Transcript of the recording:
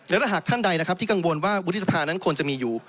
และถ้าหากท่านใดนะครับที่กังวลว่าวุฒิสภานั้นควรจะมีอยู่